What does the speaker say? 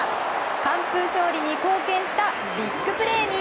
完封勝利に貢献したビッグプレーに。